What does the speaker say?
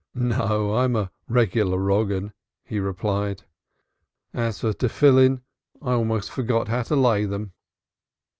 "No, I'm a regular wrong'un," he replied. "As for phylacteries, I almost forget how to lay them."